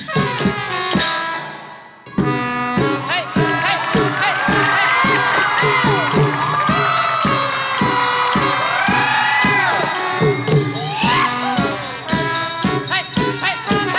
หัวโตหัวโตหัวโตสุพันธ์มาแล้วหัวโตสุพันธ์มาแล้ว